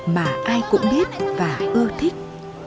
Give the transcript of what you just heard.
mà ai cũng biết và ưa thích